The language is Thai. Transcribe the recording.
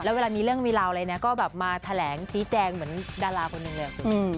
แล้วเวลามีเรื่องมีราวอะไรนะก็แบบมาแถลงชี้แจงเหมือนดาราคนหนึ่งเลย